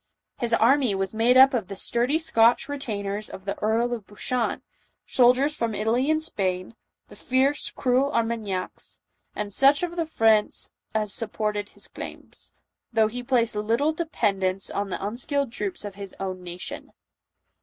His army was made up of the sturdy Scotch retainers of the Earl of Buchan, soldiers from Italy and Spain, the fierce, cruel Armagnacs, and such of the French as supported his claims, though he placed little dependence on the unskilled troops of his own nation.